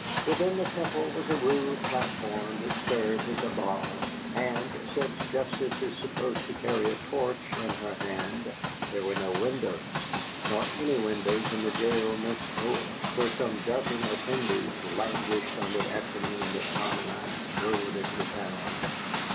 Within the temple was a rude platform which served as a bar, and since Justice is supposed to carry a torch in her hand, there were no windows, nor any windows in the jail next door, where some dozen offenders languished on the afternoon that Tom and I rode into town.